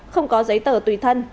không có giấy tờ tùy thân